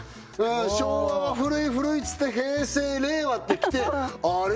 昭和は古い古いって言って平成令和ってきてあれ？